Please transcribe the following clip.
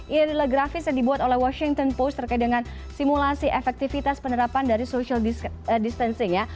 ini adalah grafis yang dibuat oleh washington post terkait dengan simulasi efektivitas penerapan dari social distancing ya